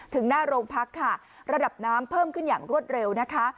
หน้าโรงพักค่ะระดับน้ำเพิ่มขึ้นอย่างรวดเร็วนะคะ